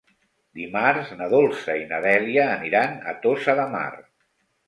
Dimarts na Dolça i na Dèlia aniran a Tossa de Mar.